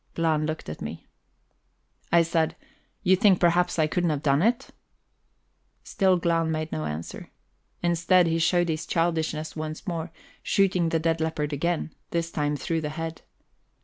Glahn looked at me. I said: "You think perhaps I couldn't have done it?" Still Glahn made no answer. Instead, he showed his childishness once more, shooting the dead leopard again, this time through the head.